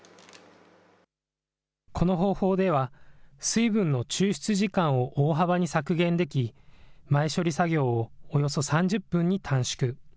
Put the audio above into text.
この方法では、水分の抽出時間を大幅に削減でき、前処理作業をおよそ３０分に短縮。